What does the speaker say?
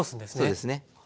そうですね。